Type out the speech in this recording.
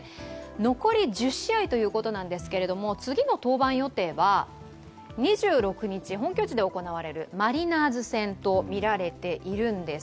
残り１０試合ということですけれども、次の登板予定は２６日、本拠地で行われるマリナーズ戦とみられているんです。